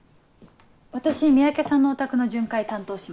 私三宅さんのお宅の巡回担当します。